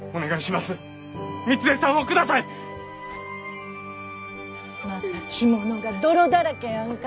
また着物が泥だらけやんか。